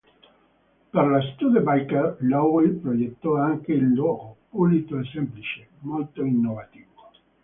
Per la Studebaker Loewy progettò anche il logo, pulito e semplice, molto innovativo.